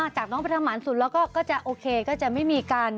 จากน้องไปทำหมานสุดแล้วก็จะโอเคก็จะไม่มีการ